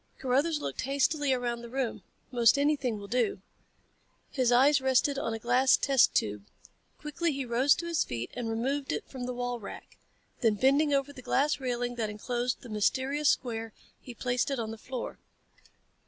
Carruthers looked hastily around the room. "Most anything will do." His eyes rested on a glass test tube. Quickly he rose to his feet and removed it from the wall rack. Then bending over the glass railing that enclosed the mysterious square he placed it on the floor.